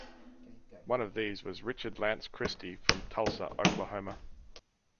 One of these was Richard Lance Christie from Tulsa, Oklahoma.